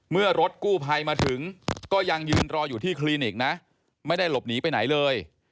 เมื่อรถกู้ภัยมาถึงก็ยังยืนรออยู่ที่คลินิกนะไม่ได้หลบหนีไปไหนเลย